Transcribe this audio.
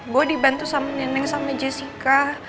gue dibantu sama neneng sama jessica